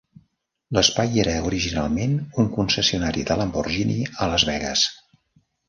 L'espai era originalment un concessionari de Lamborghini a Las Vegas.